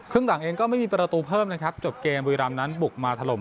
หลังเองก็ไม่มีประตูเพิ่มนะครับจบเกมบุรีรำนั้นบุกมาถล่ม